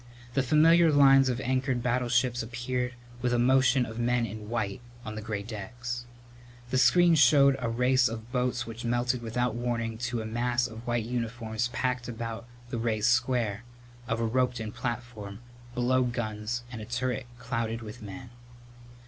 The familiar lines of anchored battleships appeared with a motion of men in white on the gray decks. The screen showed a race of boats which melted without warning to a mass of white uniforms packed about the raised square of a roped in Platform below guns and a turret clouded with men.